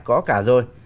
có cả rồi